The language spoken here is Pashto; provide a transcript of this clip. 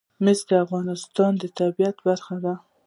مس د افغانستان د طبیعت برخه ده.